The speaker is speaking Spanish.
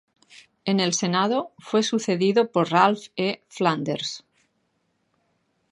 En el Senado, fue sucedido por Ralph E. Flanders.